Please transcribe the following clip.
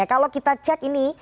kalau kita cek ini